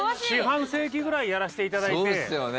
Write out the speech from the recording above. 四半世紀ぐらいやらせていただいて。